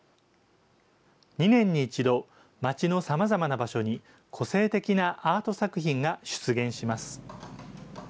２年に１度、町のさまざまな場所に、個性的なアート作品が出現します。